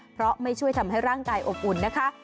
เพราะไม่ช่วยทำให้ร่างกายอบอุ่นนะคะ